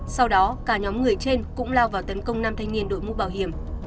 sau đó cả nhóm người trên cũng lao vào tấn công năm thanh niên đội mũ bảo hiểm